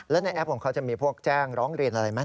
แล้วในแอปของเขาจะมีพวกแจ้งร้องเรียนอะไรไหม